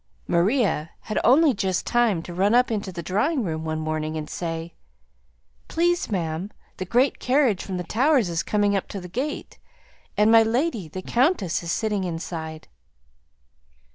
Maria had only just time to run up into the drawing room one morning, and say, "Please, ma'am, the great carriage from the Towers is coming up to the gate, and my lady the Countess is sitting inside."